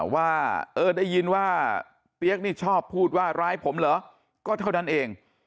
ว่าได้ยินว่าเปี๊ยกนี่ชอบพูดว่าร้ายผมเหรอก็เท่านั้นเอง